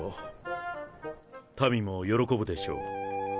民も喜ぶでしょう。